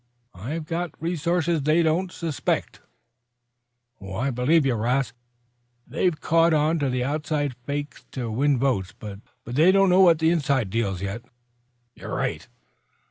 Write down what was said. I've got resources they don't suspect." "I believe you, 'Rast. They've caught on to the outside fakes to win votes; but they don't know the inside deals yet." "You're right.